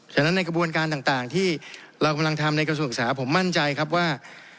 ฉะนั้นในกระบวนการต่างที่เรากำลังทำในกระทรวงศึกษาผมมั่นใจครับว่า